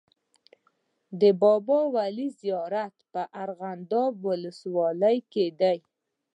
د بابا ولي زیارت په ارغنداب ولسوالۍ کي دی.